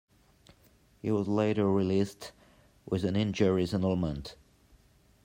He was later released with an injury settlement.